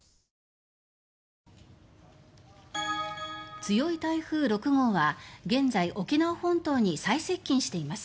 強い台風６号は現在、沖縄本島に最接近しています。